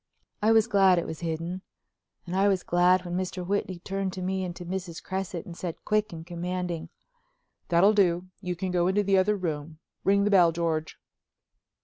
I was glad it was hidden, and I was glad when Mr. Whitney turned to me and Mrs. Cresset and said quick and commanding: "That'll do. You can go into the other room. Ring the bell, George."